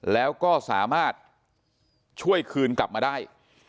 แล้วก็สามารถช่วยคืนกลับมาได้